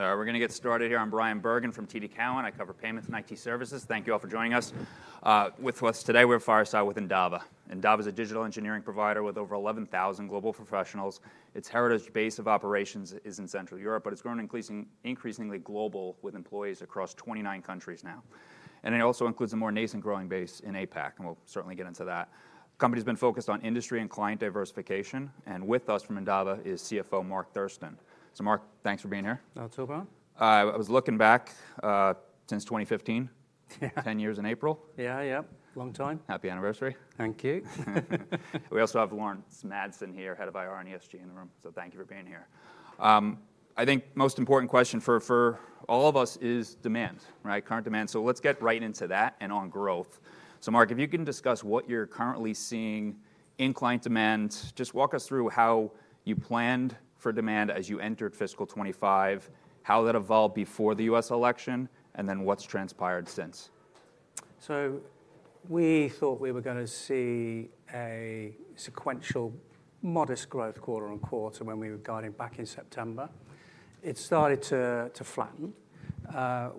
All right, we're going to get started here. I'm Brian Bergin from TD Cowen. I cover payments and IT services. Thank you all for joining us. With us today, we have Fireside with Endava. Endava is a digital engineering provider with over 11,000 global professionals. Its heritage base of operations is in Central Europe, but it's grown increasingly global with employees across 29 countries now. It also includes a more nascent growing base in APAC, and we'll certainly get into that. The company's been focused on industry and client diversification. With us from Endava is CFO Mark Thurston. Mark, thanks for being here. Not a problem. I was looking back since 2015, 10 years in April. Yeah, yep, long time. Happy anniversary. Thank you. We also have Laurence Madsen here, Head of IR and ESG in the room. Thank you for being here. I think the most important question for all of us is demand, right? Current demand. Let's get right into that and on growth. Mark, if you can discuss what you're currently seeing in client demand, just walk us through how you planned for demand as you entered fiscal 2025, how that evolved before the U.S. election, and then what's transpired since. We thought we were going to see a sequential modest growth quarter on quarter when we were guiding back in September. It started to flatten.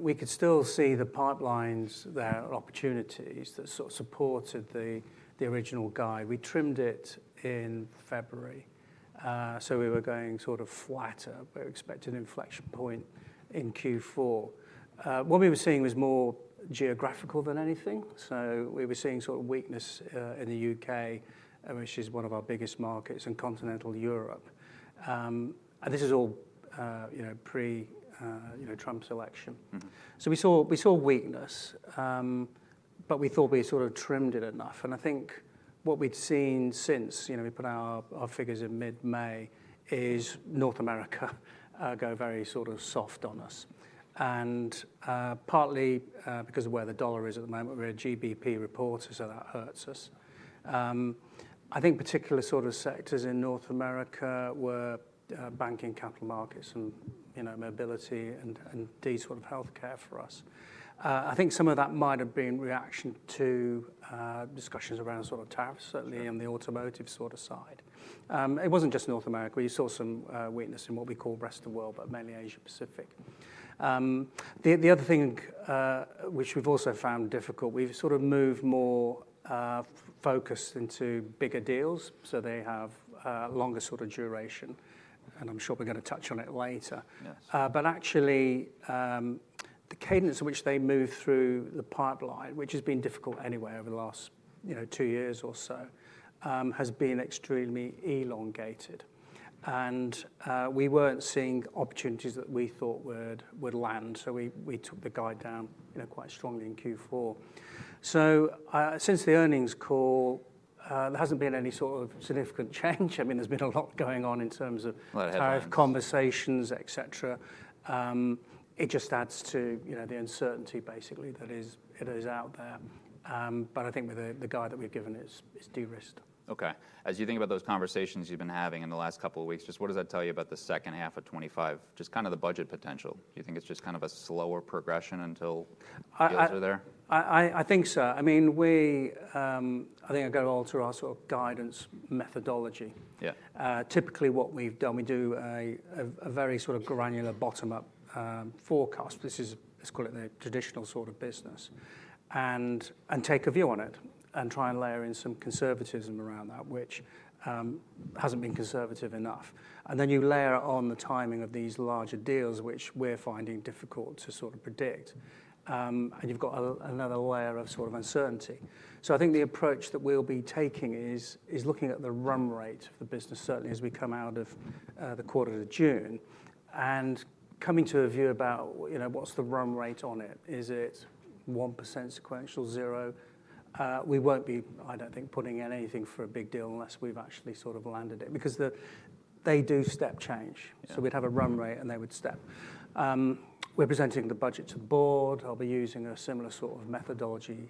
We could still see the pipelines that are opportunities that sort of supported the original guide. We trimmed it in February. We were going sort of flatter, but we expected an inflection point in Q4. What we were seeing was more geographical than anything. We were seeing sort of weakness in the U.K., which is one of our biggest markets, and Continental Europe. This is all pre-Trump's election. We saw weakness, but we thought we had sort of trimmed it enough. I think what we had seen since, you know, we put our figures in mid-May, is North America go very sort of soft on us. Partly because of where the dollar is at the moment, we're a GBP report, so that hurts us. I think particular sort of sectors in North America were banking, capital markets, and mobility, and sort of healthcare for us. I think some of that might have been reaction to discussions around sort of tariffs, certainly on the automotive sort of side. It wasn't just North America. We saw some weakness in what we call the rest of the world, but mainly Asia-Pacific. The other thing which we've also found difficult, we've sort of moved more focused into bigger deals. They have longer sort of duration. I'm sure we're going to touch on it later. Actually, the cadence in which they move through the pipeline, which has been difficult anyway over the last two years or so, has been extremely elongated. We were not seeing opportunities that we thought would land. We took the guide down quite strongly in Q4. Since the earnings call, there has not been any sort of significant change. I mean, there has been a lot going on in terms of conversations, et cetera. It just adds to the uncertainty, basically, that is out there. I think with the guide that we have given, it is de-risked. Okay. As you think about those conversations you've been having in the last couple of weeks, just what does that tell you about the second half of 2025, just kind of the budget potential? Do you think it's just kind of a slower progression until those are there? I think so. I mean, I think I got to alter our sort of guidance methodology. Typically, what we've done, we do a very sort of granular bottom-up forecast. This is, let's call it, the traditional sort of business, and take a view on it and try and layer in some conservatism around that, which hasn't been conservative enough. You layer on the timing of these larger deals, which we're finding difficult to sort of predict. You've got another layer of sort of uncertainty. I think the approach that we'll be taking is looking at the run rate of the business, certainly as we come out of the quarter of June, and coming to a view about what's the run rate on it. Is it 1% sequential, zero? We won't be, I don't think, putting in anything for a big deal unless we've actually sort of landed it, because they do step change. So we'd have a run rate and they would step. We're presenting the budget to the board. I'll be using a similar sort of methodology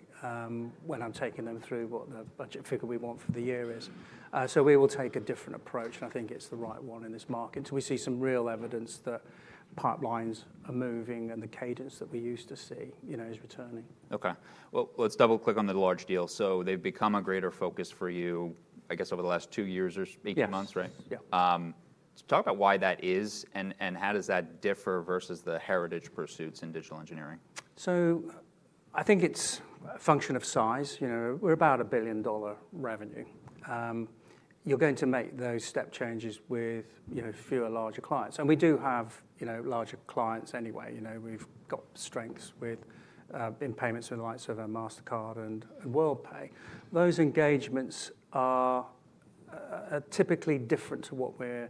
when I'm taking them through what the budget figure we want for the year is. We will take a different approach, and I think it's the right one in this market. We see some real evidence that pipelines are moving and the cadence that we used to see is returning. Okay. Let's double-click on the large deals. They've become a greater focus for you, I guess, over the last two years or eight months, right? Yes. Talk about why that is and how does that differ versus the heritage pursuits in digital engineering. I think it's a function of size. We're about a GBP 1 billion revenue. You're going to make those step changes with fewer larger clients. We do have larger clients anyway. We've got strengths in payments for the likes of Mastercard and Worldpay. Those engagements are typically different to what we're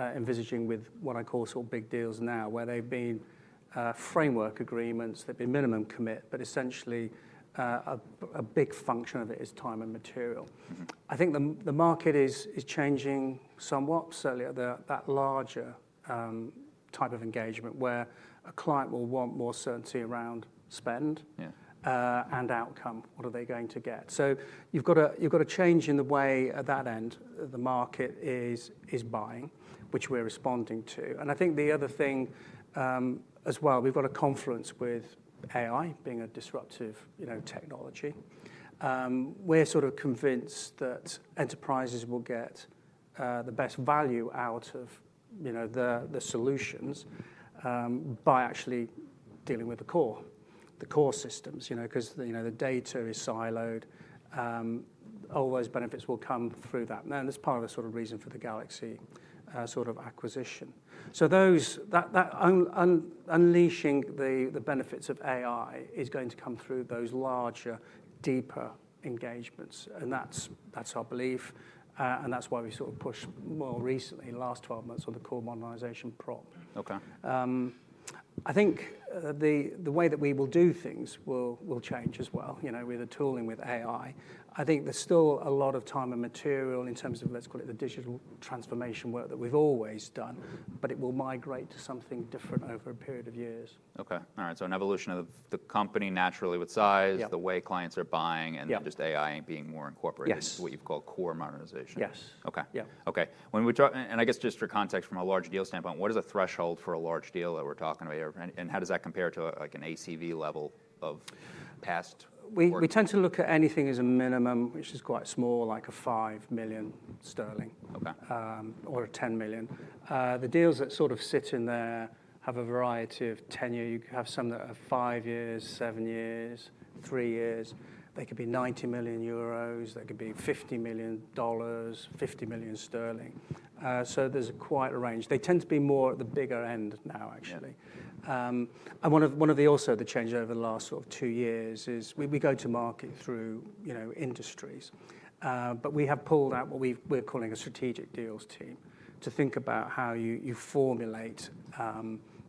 envisaging with what I call sort of big deals now, where they've been framework agreements. They've been minimum commit, but essentially a big function of it is time and material. I think the market is changing somewhat, certainly that larger type of engagement where a client will want more certainty around spend and outcome. What are they going to get? You've got a change in the way at that end the market is buying, which we're responding to. I think the other thing as well, we've got a confluence with AI being a disruptive technology. We're sort of convinced that enterprises will get the best value out of the solutions by actually dealing with the core, the core systems, because the data is siloed. All those benefits will come through that. That's part of the sort of reason for the Galaxy sort of acquisition. Unleashing the benefits of AI is going to come through those larger, deeper engagements. That's our belief. That's why we sort of pushed more recently, in the last 12 months, on the core modernization prop. I think the way that we will do things will change as well. We're tooling with AI. I think there's still a lot of time and material in terms of, let's call it the digital transformation work that we've always done, but it will migrate to something different over a period of years. Okay. All right. So an evolution of the company naturally with size, the way clients are buying, and just AI being more incorporated into what you've called core modernization. Yes. Okay. I guess just for context from a large deal standpoint, what is a threshold for a large deal that we're talking about here, and how does that compare to an ACV level of past? We tend to look at anything as a minimum, which is quite small, like 5 million sterling or 10 million. The deals that sort of sit in there have a variety of tenure. You have some that are five years, seven years, three years. They could be 90 million euros. They could be GBP 50 million, 50 million sterling. There is quite a range. They tend to be more at the bigger end now, actually. One of the also the changes over the last sort of two years is we go to market through industries. We have pulled out what we're calling a strategic deals team to think about how you formulate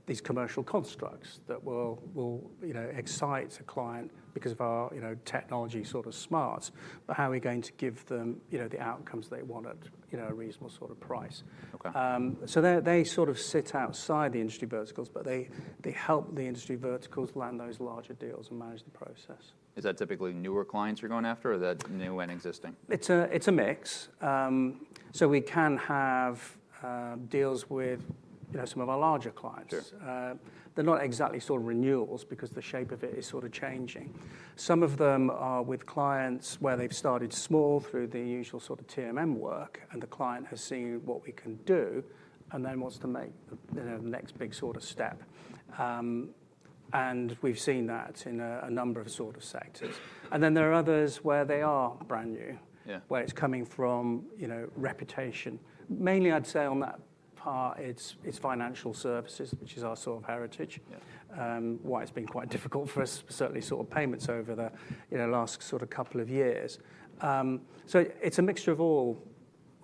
these commercial constructs that will excite a client because of our technology sort of smarts, but how are we going to give them the outcomes they want at a reasonable sort of price. They sort of sit outside the industry verticals, but they help the industry verticals land those larger deals and manage the process. Is that typically newer clients you're going after, or is that new and existing? It's a mix. We can have deals with some of our larger clients. They're not exactly sort of renewals because the shape of it is sort of changing. Some of them are with clients where they've started small through the usual sort of TNM work, and the client has seen what we can do and then wants to make the next big sort of step. We've seen that in a number of sort of sectors. There are others where they are brand new, where it's coming from reputation. Mainly, I'd say on that part, it's financial services, which is our sort of heritage. Why it's been quite difficult for us, certainly sort of payments over the last couple of years. It's a mixture of all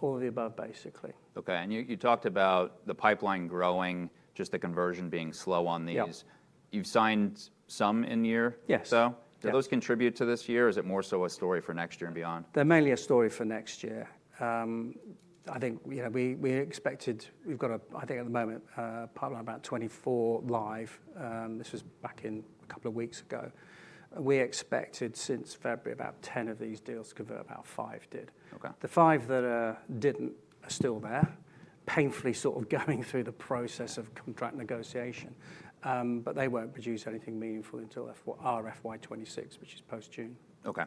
of the above, basically. Okay. You talked about the pipeline growing, just the conversion being slow on these. You've signed some in year or so? Yes. Do those contribute to this year, or is it more so a story for next year and beyond? They're mainly a story for next year. I think we expected we've got, I think at the moment, probably about 24 live. This was back in a couple of weeks ago. We expected since February about 10 of these deals to convert, about five did. The 5 that didn't are still there, painfully sort of going through the process of contract negotiation. They won't produce anything meaningful until FY2026, which is post-June. Okay.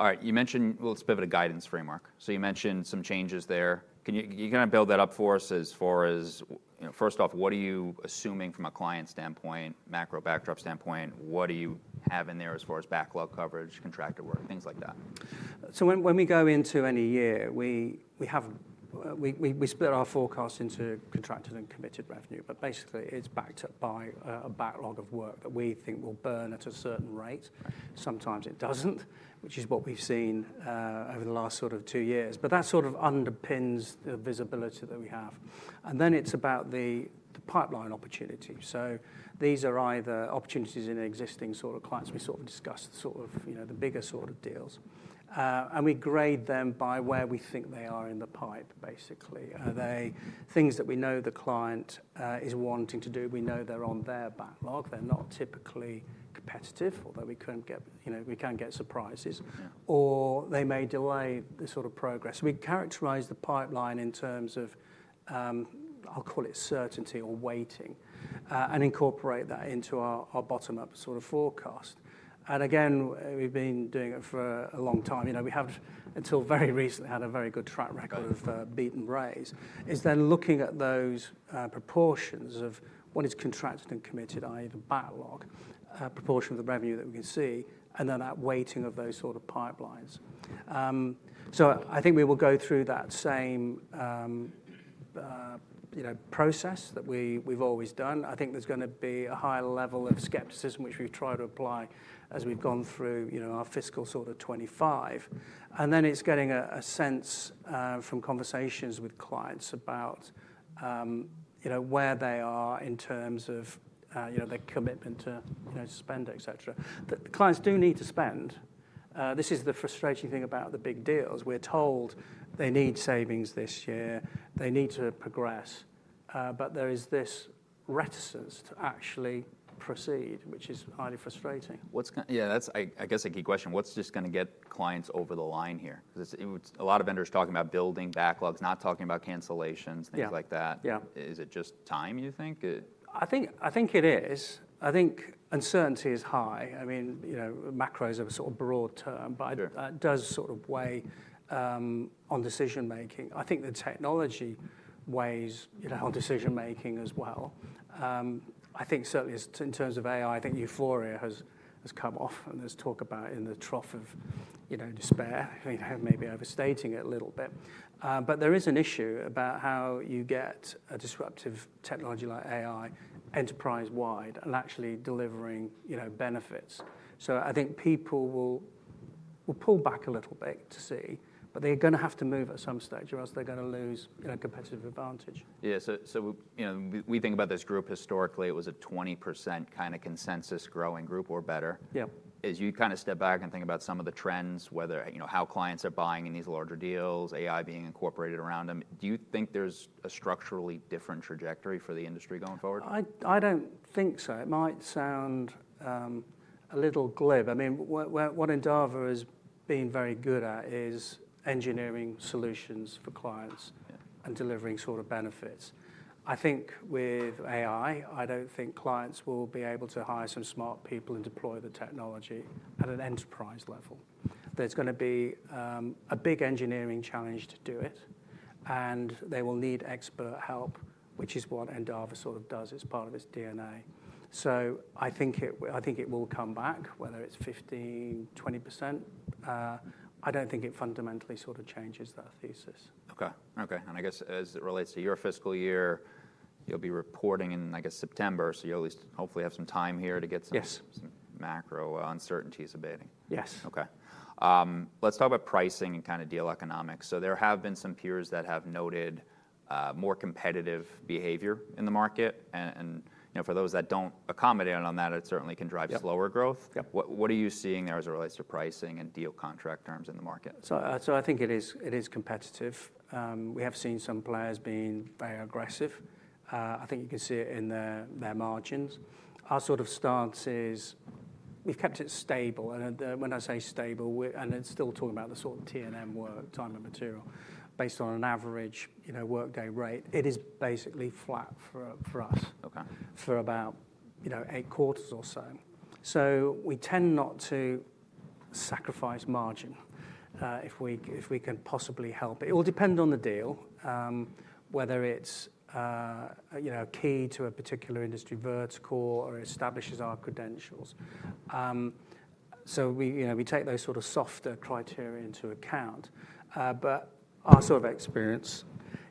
All right. You mentioned, let's pivot to guidance framework. You mentioned some changes there. Can you kind of build that up for us as far as, first off, what are you assuming from a client standpoint, macro backdrop standpoint? What do you have in there as far as backlog coverage, contractor work, things like that? When we go into any year, we split our forecast into contracted and committed revenue. Basically, it's backed up by a backlog of work that we think will burn at a certain rate. Sometimes it doesn't, which is what we've seen over the last sort of two years. That underpins the visibility that we have. Then it's about the pipeline opportunity. These are either opportunities in existing clients. We discussed the bigger deals. We grade them by where we think they are in the pipe, basically. Are they things that we know the client is wanting to do? We know they're on their backlog. They're not typically competitive, although we can get surprises. They may delay the progress. We characterize the pipeline in terms of, I'll call it certainty or weighting, and incorporate that into our bottom-up sort of forecast. We've been doing it for a long time. We have, until very recently, had a very good track record of beat and raise. It's then looking at those proportions of what is contracted and committed, i.e., the backlog, proportion of the revenue that we can see, and then that weighting of those sort of pipelines. I think we will go through that same process that we've always done. I think there's going to be a high level of skepticism, which we've tried to apply as we've gone through our fiscal sort of 2025. It's getting a sense from conversations with clients about where they are in terms of their commitment to spend, et cetera. The clients do need to spend. This is the frustrating thing about the big deals. We're told they need savings this year. They need to progress. There is this reticence to actually proceed, which is highly frustrating. Yeah, that's, I guess, a key question. What's just going to get clients over the line here? Because a lot of vendors are talking about building backlogs, not talking about cancellations, things like that. Is it just time, you think? I think it is. I think uncertainty is high. I mean, macro is a sort of broad term, but it does sort of weigh on decision-making. I think the technology weighs on decision-making as well. I think certainly in terms of AI, I think euphoria has come off, and there's talk about it in the trough of despair. I think maybe overstating it a little bit. There is an issue about how you get a disruptive technology like AI enterprise-wide and actually delivering benefits. I think people will pull back a little bit to see, but they're going to have to move at some stage or else they're going to lose a competitive advantage. Yeah. So we think about this group historically. It was a 20% kind of consensus growing group or better. As you kind of step back and think about some of the trends, whether how clients are buying in these larger deals, AI being incorporated around them, do you think there's a structurally different trajectory for the industry going forward? I don't think so. It might sound a little glib. I mean, what Endava has been very good at is engineering solutions for clients and delivering sort of benefits. I think with AI, I don't think clients will be able to hire some smart people and deploy the technology at an enterprise level. There's going to be a big engineering challenge to do it, and they will need expert help, which is what Endava sort of does. It's part of its DNA. I think it will come back, whether it's 15%-20%. I don't think it fundamentally sort of changes that thesis. Okay. Okay. I guess as it relates to your fiscal year, you'll be reporting in, I guess, September, so you'll at least hopefully have some time here to get some macro uncertainties abating. Yes. Okay. Let's talk about pricing and kind of deal economics. There have been some peers that have noted more competitive behavior in the market. For those that do not accommodate on that, it certainly can drive slower growth. What are you seeing there as it relates to pricing and deal contract terms in the market? I think it is competitive. We have seen some players being very aggressive. I think you can see it in their margins. Our sort of stance is we have kept it stable. When I say stable, and it is still talking about the sort of TNM work, time and material, based on an average workday rate, it is basically flat for us for about eight quarters or so. We tend not to sacrifice margin if we can possibly help it. It will depend on the deal, whether it is key to a particular industry vertical or it establishes our credentials. We take those sort of softer criteria into account. Our sort of experience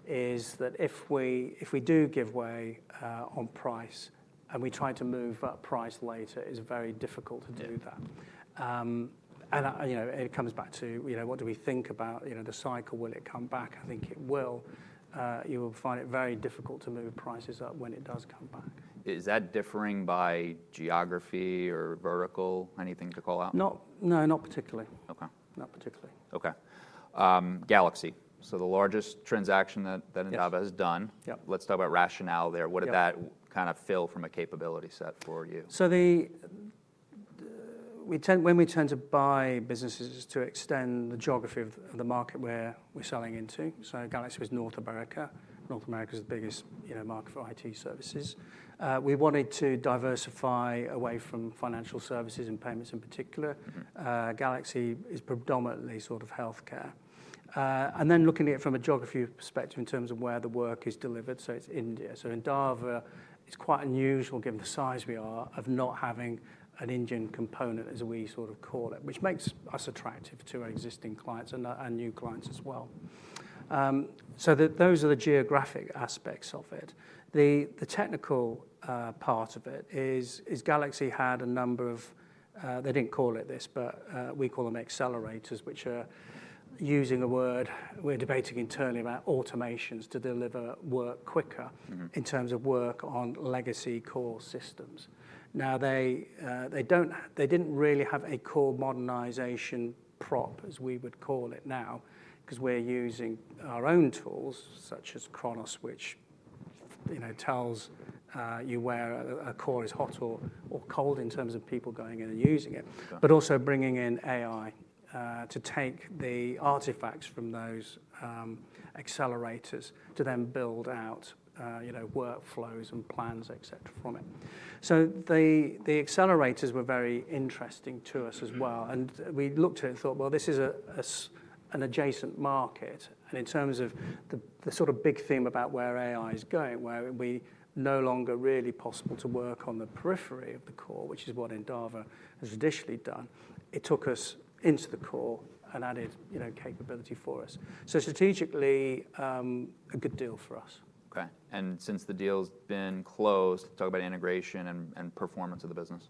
is that if we do give way on price and we try to move up price later, it is very difficult to do that. It comes back to what do we think about the cycle? Will it come back? I think it will. You will find it very difficult to move prices up when it does come back. Is that differing by geography or vertical? Anything to call out? No, not particularly. Not particularly. Okay. Galaxy. The largest transaction that Endava has done. Let's talk about rationale there. What did that kind of fill from a capability set for you? When we tend to buy businesses, it is to extend the geography of the market we're selling into. Galaxy was North America. North America is the biggest market for IT services. We wanted to diversify away from financial services and payments in particular. Galaxy is predominantly sort of healthcare. Looking at it from a geography perspective in terms of where the work is delivered, it is India. Endava is quite unusual, given the size we are, of not having an Indian component, as we sort of call it, which makes us attractive to our existing clients and new clients as well. Those are the geographic aspects of it. The technical part of it is Galaxy had a number of, they didn't call it this, but we call them accelerators, which are using a word we're debating internally about, automations to deliver work quicker in terms of work on legacy core systems. Now, they didn't really have a core modernization prop, as we would call it now, because we're using our own tools, such as Chronos, which tells you where a core is hot or cold in terms of people going in and using it, but also bringing in AI to take the artifacts from those accelerators to then build out workflows and plans, et cetera, from it. The accelerators were very interesting to us as well. We looked at it and thought, this is an adjacent market. In terms of the sort of big theme about where AI is going, where we no longer really possible to work on the periphery of the core, which is what Endava has additionally done, it took us into the core and added capability for us. So strategically, a good deal for us. Okay. Since the deal's been closed, talk about integration and performance of the business.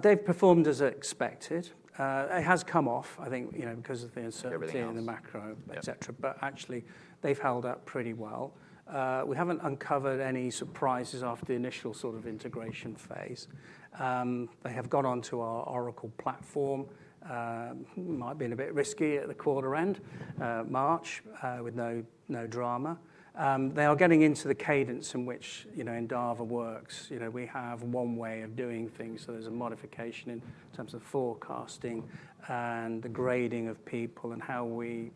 They've performed as expected. It has come off, I think, because of the uncertainty in the macro, et cetera. Actually, they've held up pretty well. We haven't uncovered any surprises after the initial sort of integration phase. They have gone on to our Oracle platform. It might have been a bit risky at the quarter end, March, with no drama. They are getting into the cadence in which Endava works. We have one way of doing things. There is a modification in terms of forecasting and the grading of people and how we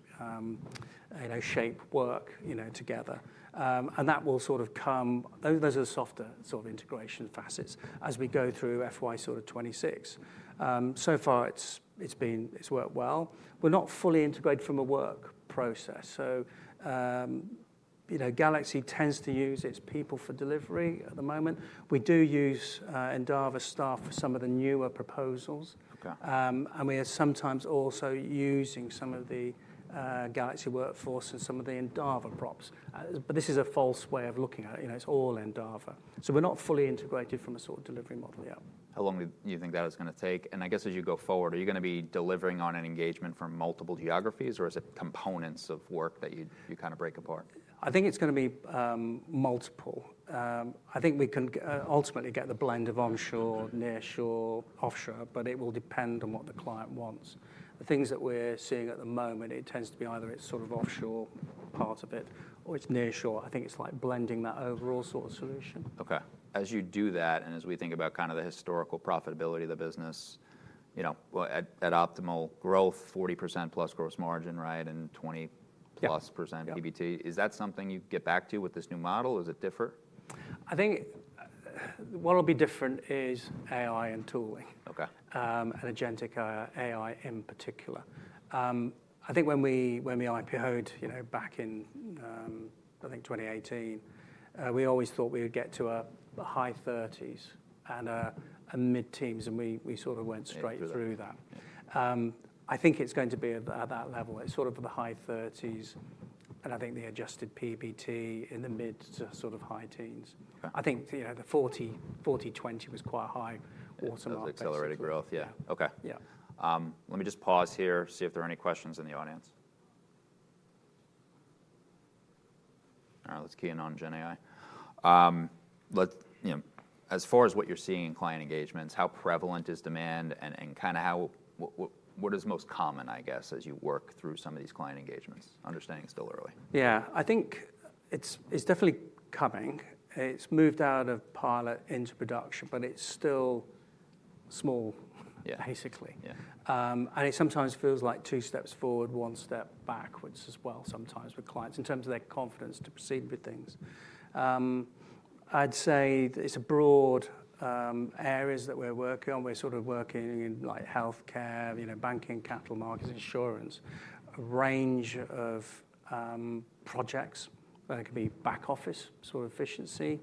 shape work together. That will sort of come. Those are the softer sort of integration facets as we go through fiscal year 2026. So far, it's worked well. We're not fully integrated from a work process. Galaxy tends to use its people for delivery at the moment. We do use Endava staff for some of the newer proposals. We are sometimes also using some of the Galaxy workforce and some of the Endava props. This is a false way of looking at it. It's all Endava. We're not fully integrated from a sort of delivery model yet. How long do you think that is going to take? I guess as you go forward, are you going to be delivering on an engagement from multiple geographies, or is it components of work that you kind of break apart? I think it's going to be multiple. I think we can ultimately get the blend of onshore, nearshore, offshore, but it will depend on what the client wants. The things that we're seeing at the moment, it tends to be either it's sort of offshore part of it or it's nearshore. I think it's like blending that overall sort of solution. Okay. As you do that and as we think about kind of the historical profitability of the business at optimal growth, 40% plus gross margin, right, and 20% plus PBT, is that something you get back to with this new model? Does it differ? I think what will be different is AI and tooling and agentic AI in particular. I think when we IPO'd back in, I think, 2018, we always thought we would get to a high 30s and a mid-teens, and we sort of went straight through that. I think it's going to be at that level. It's sort of the high 30s, and I think the adjusted PBT in the mid to sort of high teens. I think the 40, 20 was quite a high automatically. Accelerated growth, yeah. Okay. Let me just pause here, see if there are any questions in the audience. All right, let's key in on GenAI. As far as what you're seeing in client engagements, how prevalent is demand and kind of what is most common, I guess, as you work through some of these client engagements? Understanding it's still early. Yeah, I think it's definitely coming. It's moved out of pilot into production, but it's still small, basically. It sometimes feels like two steps forward, one step backwards as well sometimes with clients in terms of their confidence to proceed with things. I'd say it's broad areas that we're working on. We're sort of working in healthcare, banking, capital markets, insurance, a range of projects. There can be back office sort of efficiency.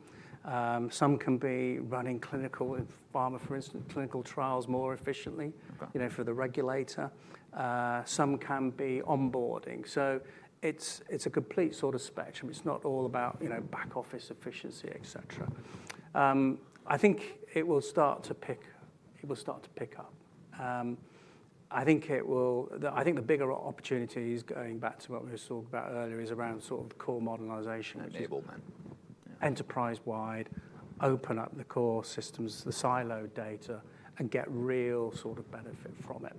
Some can be running clinical, pharma, for instance, clinical trials more efficiently for the regulator. Some can be onboarding. It's a complete sort of spectrum. It's not all about back office efficiency, et cetera. I think it will start to pick up. I think the bigger opportunities, going back to what we were talking about earlier, is around sort of core modernization. Achievable, then. Enterprise-wide, open up the core systems, the siloed data, and get real sort of benefit from it.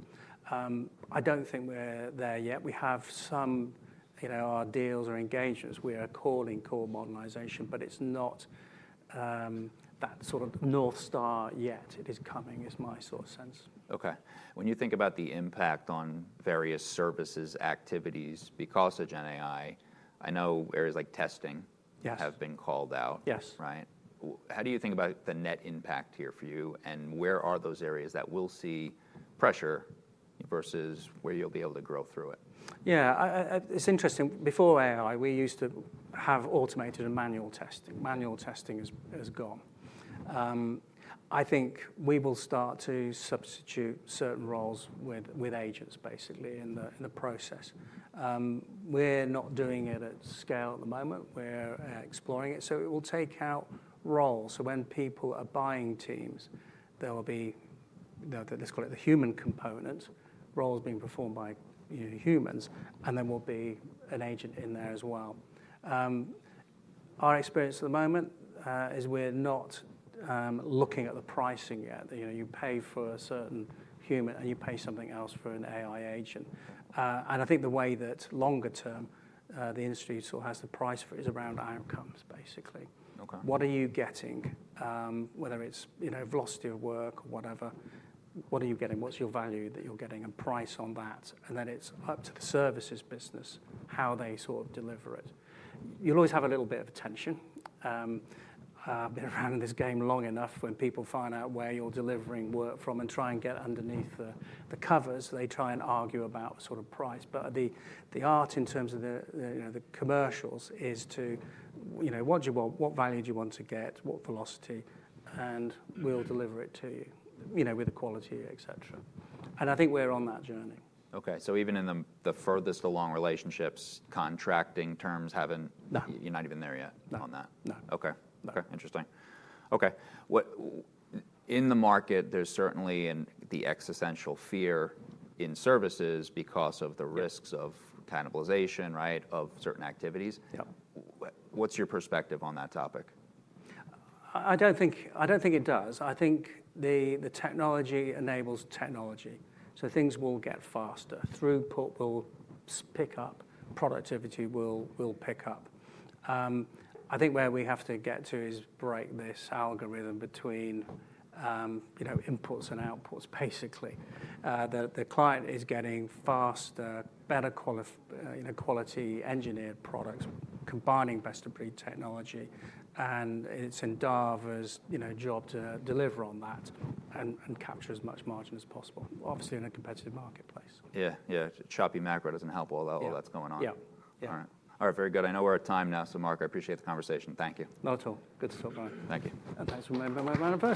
I do not think we are there yet. We have some deals or engagements we are calling core modernization, but it is not that sort of North Star yet. It is coming, is my sort of sense. Okay. When you think about the impact on various services activities because of GenAI, I know areas like testing have been called out, right? Yes. How do you think about the net impact here for you, and where are those areas that will see pressure versus where you'll be able to grow through it? Yeah, it's interesting. Before AI, we used to have automated and manual testing. Manual testing has gone. I think we will start to substitute certain roles with agents, basically, in the process. We're not doing it at scale at the moment. We're exploring it. It will take out roles. When people are buying teams, there will be, let's call it the human component, roles being performed by humans, and there will be an agent in there as well. Our experience at the moment is we're not looking at the pricing yet. You pay for a certain human, and you pay something else for an AI agent. I think the way that longer term, the industry sort of has to price for it is around outcomes, basically. What are you getting, whether it's velocity of work or whatever? What are you getting? What's your value that you're getting and price on that? Then it's up to the services business how they sort of deliver it. You'll always have a little bit of tension. I've been around in this game long enough. When people find out where you're delivering work from and try and get underneath the covers, they try and argue about sort of price. The art in terms of the commercials is to what value do you want to get, what velocity, and we'll deliver it to you with the quality, et cetera. I think we're on that journey. Okay. So even in the furthest along relationships, contracting terms haven't, you're not even there yet on that? No. Okay. Interesting. Okay. In the market, there's certainly the existential fear in services because of the risks of cannibalization, right, of certain activities. What's your perspective on that topic? I don't think it does. I think the technology enables technology. Things will get faster. Throughput will pick up. Productivity will pick up. I think where we have to get to is break this algorithm between inputs and outputs, basically. The client is getting faster, better quality engineered products combining best-of-breed technology, and it's Endava's job to deliver on that and capture as much margin as possible, obviously in a competitive marketplace. Yeah, yeah. Choppy macro doesn't help all that while that's going on. Yeah. All right. All right, very good. I know we're at time now, so Mark, I appreciate the conversation. Thank you. Not at all. Good to talk about it. Thank you. Thanks for.